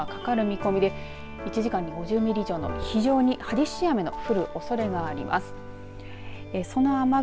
特にこのあとも九州南部を中心に活発な雨雲がかかる見込みで１時間に５０ミリ以上の非常に激しい雨の降るおそれがあります。